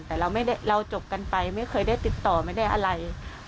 แต่เราจบกันไปไม่เคยได้ติดต่อไม่ได้อะไร